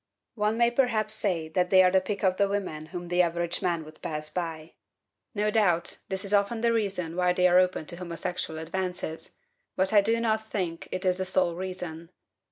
One may, perhaps, say that they are the pick of the women whom the average man would pass by. No doubt, this is often the reason why they are open to homosexual advances, but I do not think it is the sole reason.